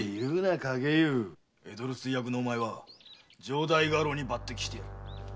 江戸留守居役のお前は城代家老に抜擢してやる。